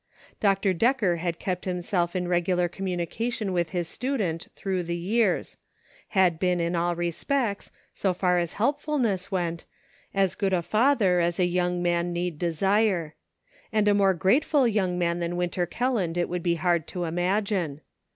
Dr. Decker had kept himself in regular communi cation with his student through the years ; had been in all respects, so far as helpfulness went, as good a father as a young man need desire. And a more grateful young man than Winter Kelland it would be hard to imagine.